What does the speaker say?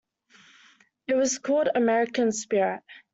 It was called "American Spirit".